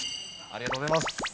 ありがとうございます。